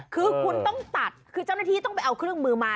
คือคุณต้องตัดคือเจ้าหน้าที่ต้องไปเอาเครื่องมือมา